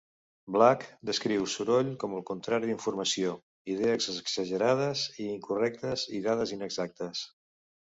Black descriu 'soroll' com el contrari d'informació: idees exagerades i incorrectes, i dades inexactes.